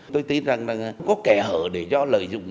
tôi tin rằng là có kẻ hở để do lợi dụng